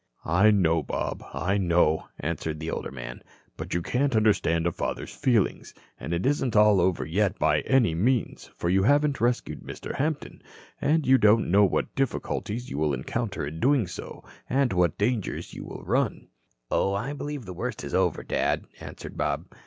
"I know, Bob, I know," answered the older man. "But you can't understand a father's feelings. And it isn't all over yet by any means, for you haven't rescued Mr. Hampton. And you don't know what difficulties you will encounter in doing so, and what dangers you will run." "Oh, I believe the worst is over, Dad," answered Bob.